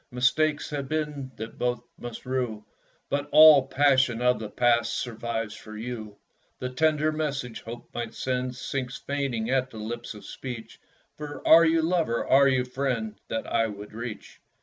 Mistakes have been that both must rue; But all the passion of the past Survives for you. The tender message Hope might send Sinks fainting at the lips of speech, For, are you lover are you friend, That I would reach?